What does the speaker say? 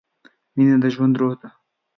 مینه د ژوند روح ده.